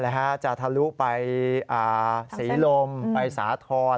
แล้วก็จะทะลุไปสีลมไปสาทร